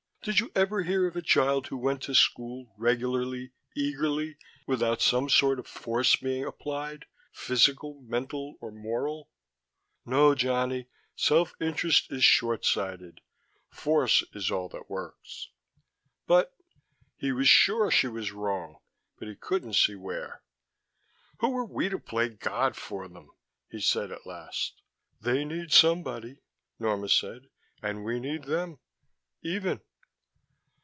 "Did you ever hear of a child who went to school, regularly, eagerly, without some sort of force being applied, physical, mental or moral? No, Johnny, self interest is short sighted. Force is all that works." "But " He was sure she was wrong, but he couldn't see where. "Who are we to play God for them?" he said at last. "They need somebody," Norma said. "And we need them. Even."